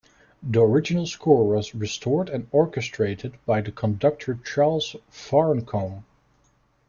The original score was restored and orchestrated by the conductor Charles Farncombe.